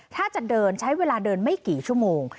ถ้าจะเดินใช้เวลาเดินไม่กี่ชั่วโมง